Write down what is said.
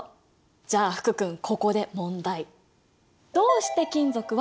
じゃあ福君ここで問題。